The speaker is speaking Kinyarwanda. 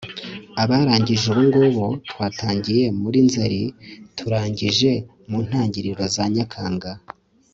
abarangije ubungubu, twatangiye muri nzeli turangije mu ntangiriro za nyakanga